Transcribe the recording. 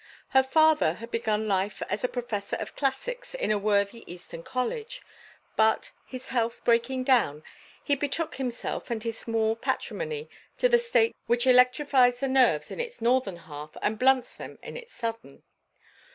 Her father had begun life as a professor of classics in a worthy Eastern college, but, his health breaking down, he betook himself and his small patrimony to the State which electrifies the nerves in its northern half and blunts them in its southern.